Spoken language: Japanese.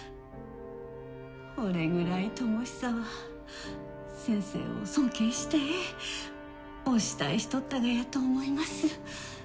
ほれぐらい智久は先生を尊敬してお慕いしとったがやと思います。